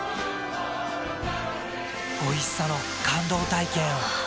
おいしさの感動体験を。